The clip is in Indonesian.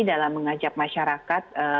dalam mengajak masyarakat